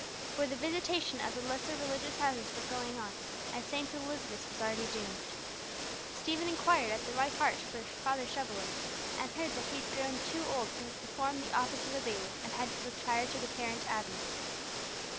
For the visitation of the lesser religious houses was going on, and St. Elizabeth's was already doomed. Stephen inquired at the White Hart for Father Shoveller, and heard that he had grown too old to perform the office of a bailiff, and had retired to the parent abbey.